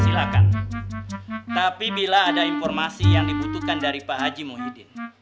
silakan tapi bila ada informasi yang dibutuhkan dari pak haji muhyiddin